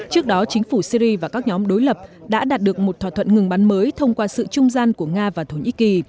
trước đó chính phủ syri và các nhóm đối lập đã đạt được một thỏa thuận ngừng bắn mới thông qua sự trung gian của nga và thổ nhĩ kỳ